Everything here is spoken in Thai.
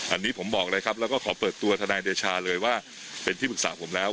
อันนี้ผมบอกเลยครับแล้วก็ขอเปิดตัวทนายเดชาเลยว่าเป็นที่ปรึกษาผมแล้ว